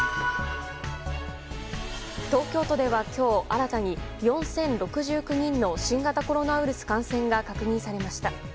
東京都では今日新たに４０６９人の新型コロナウイルス感染が確認されました。